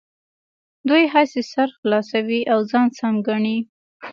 دوی هسې سر خلاصوي او ځان سم ګڼي.